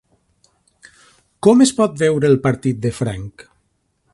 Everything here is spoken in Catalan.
Com es pot veure el partit de franc?